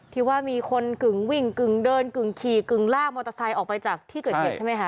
ที่ว่ามีคนกึ่งวิ่งกึ่งเดินกึ่งขี่กึ่งลากมอเตอร์ไซค์ออกไปจากที่เกิดเหตุใช่ไหมคะ